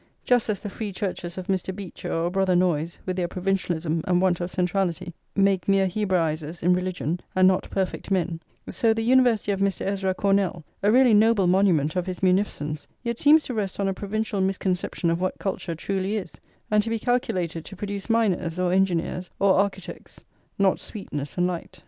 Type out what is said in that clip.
Just as the free churches of Mr. Beecher or Brother Noyes, with their provincialism [xxxiv] and want of centrality, make mere Hebraisers in religion, and not perfect men, so the university of Mr. Ezra Cornell, a really noble monument of his munificence, yet seems to rest on a provincial misconception of what culture truly is, and to be calculated to produce miners, or engineers, or architects, not sweetness and light.